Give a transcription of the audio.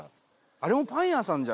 あれもパン屋さんじゃ。